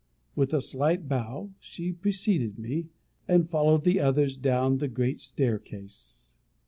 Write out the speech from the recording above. With a slight bow, she preceded me, and followed the others down the great staircase.